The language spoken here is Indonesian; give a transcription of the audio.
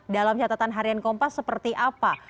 dalam catatan harian kompas seperti apa